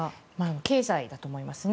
経済だと思いますね。